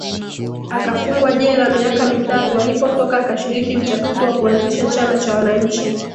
Akafungwa jela miaka mitatu alipotoka akashiriki mchakato wa kuanzisha Chama cha Wananchi